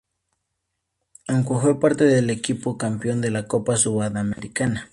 Aunque fue parte del equipo campeón de la Copa Sudamericana.